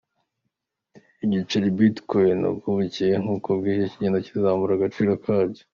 Igiceri Bitcoin uko bukeye n’uko bwije kigenda kizamura agaciro kacyo.